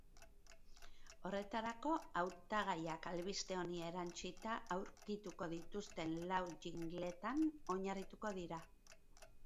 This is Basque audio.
Horretarako, hautagaiak albiste honi erantsita aurkituko dituzten lau jingle-etan oinarrituko dira.